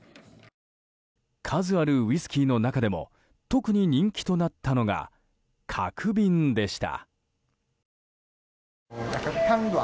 数あるウイスキーの中でも特に人気となったのが角瓶でした。